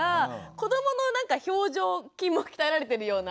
子どもの表情筋も鍛えられてるような。